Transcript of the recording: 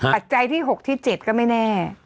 ปัจจัยที่๖ที่๗ก็ไม่แน่